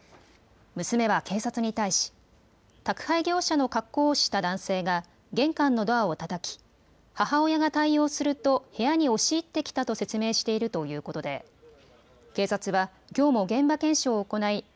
娘は警察に対し宅配業者の格好をした男性が玄関のドアをたたき母親が対応すると部屋に押し入ってきたと説明しているということで警察は、きょうも現場検証を行い